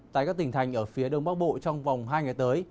tại các tỉnh thành ở phía đông bắc bộ trong vòng hai ngày tới